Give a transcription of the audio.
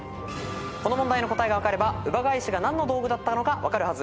この問題の答えが分かれば姥ヶ石が何の道具だったのか分かるはず。